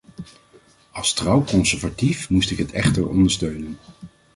Als trouw conservatief moest ik het echter ondersteunen.